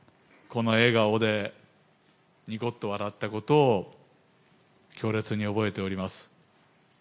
この笑顔でにこっと笑ったことを、強烈に覚えております。